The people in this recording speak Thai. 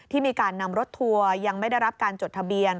มีการนำรถทัวร์ยังไม่ได้รับการจดทะเบียน